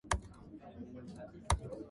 "The Scene" continued for a second season.